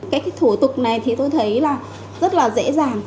cái thủ tục này thì tôi thấy là rất là dễ dàng